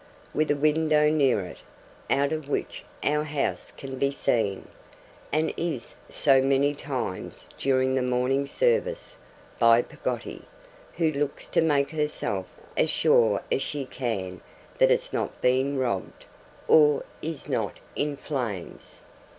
With a window near it, out of which our house can be seen, and IS seen many times during the morning's service, by Peggotty, who likes to make herself as sure as she can that it's not being robbed, or is not in flames.